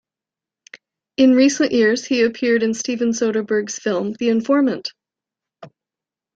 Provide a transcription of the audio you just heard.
In recent years, he appeared in Steven Soderbergh's film The Informant!